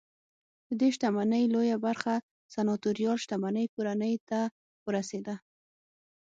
ددې شتمنۍ لویه برخه سناتوریال شتمنۍ کورنۍ ته ورسېده